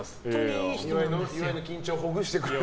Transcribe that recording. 岩井の緊張をほぐしてくれる？